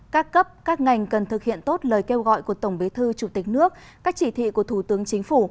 các cấp các ngành cần thực hiện tốt lời kêu gọi của tổng bế thư chủ tịch nước các chỉ thị của thủ tướng chính phủ